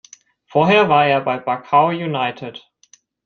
Vorher war er bei Bakau United.